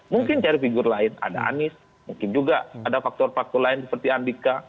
mungkin cari figur lain ada anies mungkin juga ada faktor faktor lain seperti andika